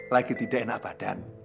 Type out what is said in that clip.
lagi tidak enak badan